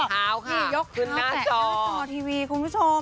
คุณหน้าชอที่ยกข้าวแตะข้าวหน้าชอทีวีคุณผู้ชม